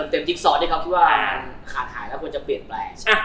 เพราะว่าขาดหายแล้วควรจะเปลี่ยนแปลง